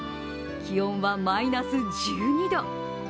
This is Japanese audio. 気温はマイナス１２度。